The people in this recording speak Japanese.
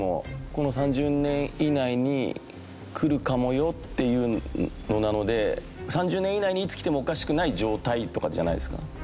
この３０年以内にくるかもよっていうのなので３０年以内にいつきてもおかしくない状態とかじゃないですか？